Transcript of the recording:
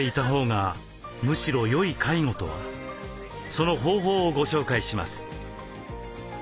その方法をご紹介します。